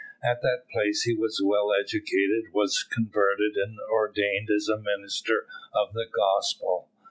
At that place he was well educated, was converted, and ordained as a minister of the Gospel.